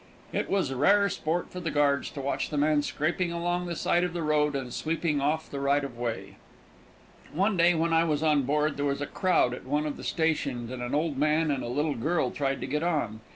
It was rare sport for the guards to watch the man scraping along the side of the road and sweeping off the right of way. One day, when I was on board, there was a crowd at one of the stations, and an old man and a little girl tried to get on.